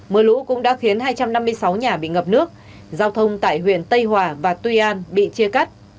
mưa lũ cũng đã khiến hai trăm năm mươi sáu nhà bị ngập nước giao thông tại huyện tây hòa và tuy an bị chia cắt